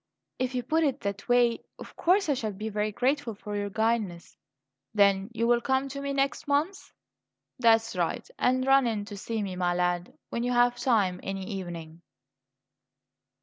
"If you put it that way, of course I shall be very grateful for your guidance." "Then you will come to me next month? That's right. And run in to see me, my lad, when you have time any evening."